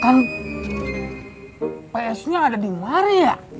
kan psu nya ada di maria